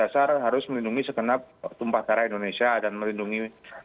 dasar harus melindungi segenap tumpah darah indonesia dan melindungi